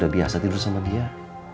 lagi kerja bangunan kan sama dia terus